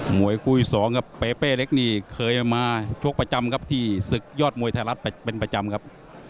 มวยคู่อีก๒ครับเปเป้เล็กนี่เคยมาชกประจำครับที่ศึกยอดมวยไทยรัฐเป็นประจำครับ